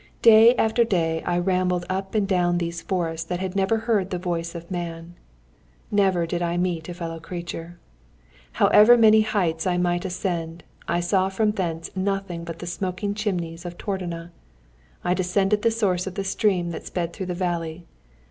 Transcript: Day after day I rambled up and down these forests that had never heard the voice of man. Never did I meet a fellow creature. However many heights I might ascend, I saw from thence nothing but the smoking chimneys of Tordona. I discovered the source of the stream that sped through the valley.